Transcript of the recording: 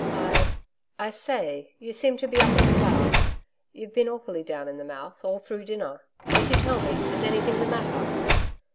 'I I say ... you seem to be up in the clouds. You've been awfully down in the mouth all through dinner. Won't you tell me? Is anything the matter?'